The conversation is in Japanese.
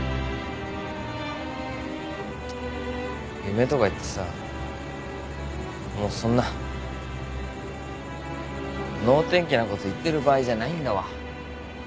夢とか言ってさもうそんな能天気なこと言ってる場合じゃないんだわ。